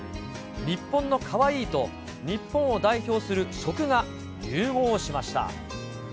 日本のカワイイと日本を代表する食が融合しました。